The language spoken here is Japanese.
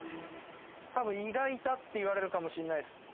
たぶん意外だって言われるかもしんないっす。